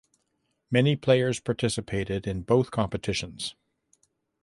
Many players participated in both competitions.